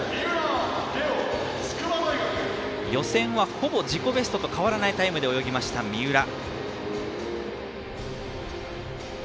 予選はほぼ自己ベストと変わらないタイムで泳ぎました三浦。